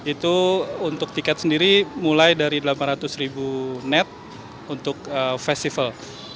itu untuk tiket sendiri mulai dari delapan ratus ribu net untuk festival